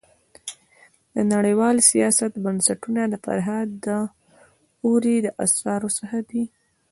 د نړيوال سیاست بنسټونه د فرهاد داوري د اثارو څخه دی.